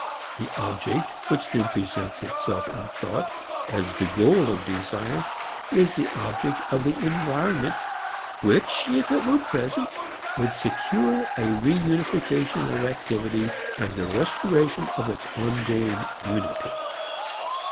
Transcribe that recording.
The "object" which then presents itself in thought as the goal of desire is the object of the environment which, if it were present, would secure a re unification of activity and the restoration of its ongoing unity.